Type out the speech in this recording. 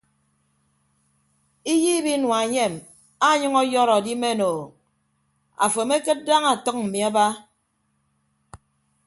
Iyiib inua enyem anyʌñ ọyọrọ adimen o afo amekịd daña atʌñ mmi aba.